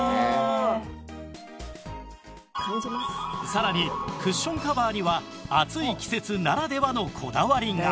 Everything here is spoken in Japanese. さらにクッションカバーには暑い季節ならではのこだわりが